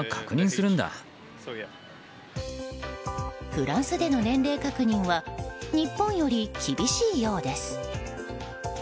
フランスでの年齢確認は日本より厳しいようです。